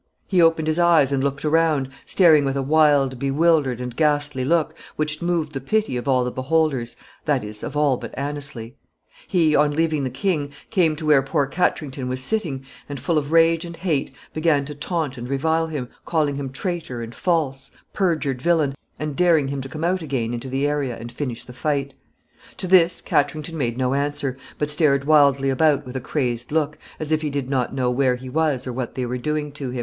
He opened his eyes and looked around, staring with a wild, bewildered, and ghastly look, which moved the pity of all the beholders, that is, of all but Anneslie. He, on leaving the king, came to where poor Katrington was sitting, and, full of rage and hate, began to taunt and revile him, calling him traitor, and false, perjured villain, and daring him to come out again into the area and finish the fight. [Sidenote: Anneslie's rage.] To this Katrington made no answer, but stared wildly about with a crazed look, as if he did not know where he was or what they were doing to him.